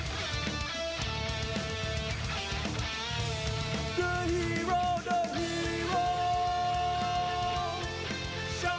เคยให้ก่อนใช่ไม๊